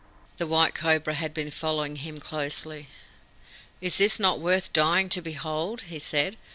The White Cobra had been following him closely. "Is this not worth dying to behold?" he said.